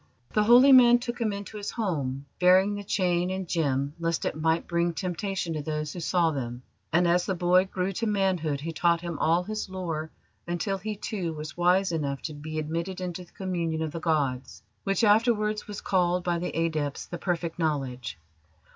"The holy man took him into his home, burying the chain and gem, lest it might bring temptation to those who saw them; and as the boy grew to manhood he taught him all his lore, until he, too, was wise enough to be admitted into the communion of the gods, which afterwards was called by the adepts the Perfect Knowledge.